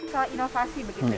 soal inovasi begitu ya